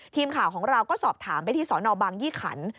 ทีมข่าวของเราก็สอบถามไปที่สนบางยี่ขัน